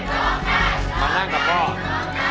ลูกลูก